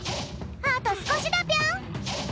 あとすこしだぴょん！